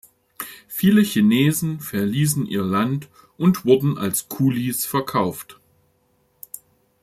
Viele Chinesen verließen ihr Land und wurden als "Kulis" verkauft.